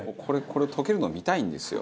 これ溶けるの見たいんですよ。